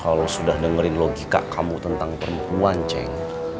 kalau sudah dengerin logika kamu tentang perempuan ceng